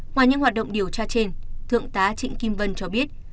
ngoài những hoạt động điều tra trên thượng tá trịnh kim vân cho biết